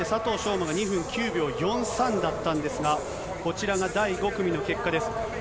馬が２分９秒４３だったんですが、こちらが第５組の結果です。